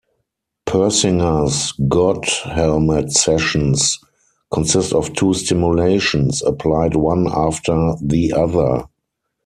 Persinger's God Helmet sessions consist of two stimulations, applied one after the other.